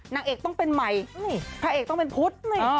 นางเอกต้องเป็นใหม่พระเอกต้องเป็นพุทธ